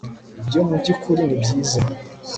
ibyo mubyukuri ni byiza